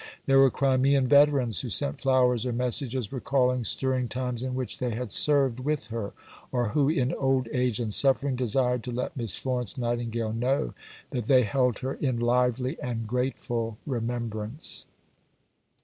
There were Crimean veterans who sent flowers or messages recalling stirring times in which they had "served with her," or who "in old age and suffering" desired to let Miss Florence Nightingale know that they held her "in lively and grateful remembrance."